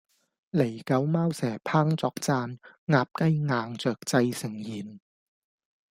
狸狗貓蛇烹作饌，鴨雞雁雀製成筵